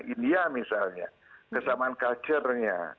india misalnya kesamaan culture nya